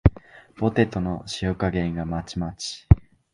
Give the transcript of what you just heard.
ポテトの塩加減がまちまち